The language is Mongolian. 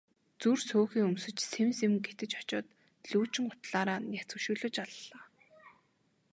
Зүр сөөхий өмсөж сэм сэм гэтэж очоод луучин гутлаараа няц өшиглөж аллаа.